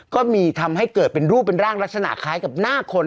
ก็มีทำให้เกิดเป็นรูปเป็นร่างลักษณะคล้ายกับหน้าคน